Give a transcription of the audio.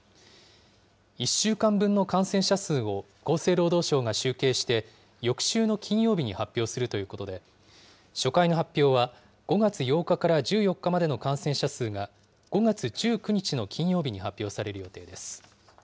１週間分の感染者数を厚生労働省が集計して、翌週の金曜日に発表するということで、初回の発表は、５月８日から１４日までの感染者数が、５月１９日の金曜日に発表される予定です。